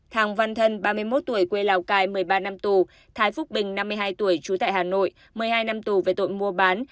hàng văn thân ba mươi một tuổi quê lào cai một mươi ba năm tù thái phúc bình năm mươi hai tuổi trú tại hà nội một mươi hai năm tù về tội mua bán